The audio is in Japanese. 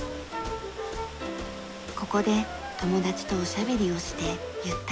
ここで友達とおしゃべりをしてゆったり過ごす。